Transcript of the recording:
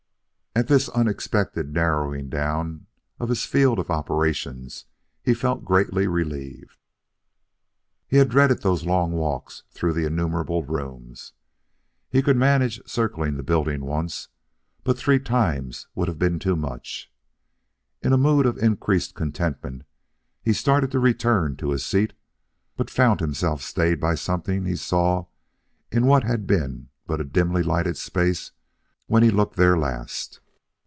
At this unexpected narrowing down of his field of operations he felt greatly relieved. He had dreaded those long walks through innumerable rooms. He could manage circling the building once, but three times would have been too much. In a mood of increased contentment, he started to return to his seat, but found himself stayed by something he saw in what had been but a dimly lighted space when he looked there last.